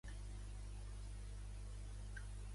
Era l'home de la mida: goig am mida, plors am mida